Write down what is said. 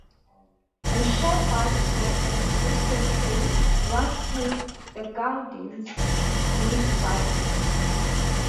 A shared bicycle and pedestrian trail runs through the Gardiners Creek Valley.